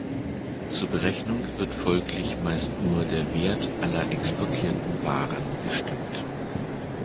Zur Berechnung wird folglich meist nur der Wert aller exportierten Waren bestimmt.